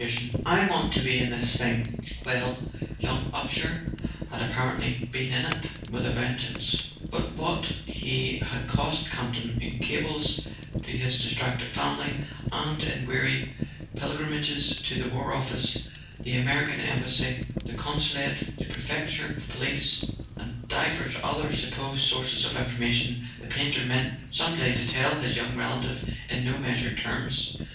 [ 135 ] A SON AT THE FRONT "I want to be in this thing " Well, young Upsher had apparently been in it with a vengeance; but what he had cost Campton in cables to his distracted family, and in weary pilgrimages to the War Office, the Amer¬ ican Embassy, the Consulate, the Prefecture of Police, and divers other supposed sources of information, the painter meant some day to tell his young relative in no measured terms.